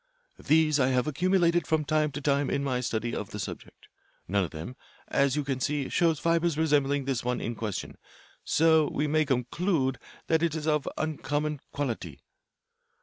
These I have accumulated from time to time in my study of the subject. None of them, as you can see, shows fibres resembling this one in question, so we may conclude that it is of uncommon quality.